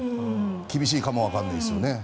厳しいかもわからないです。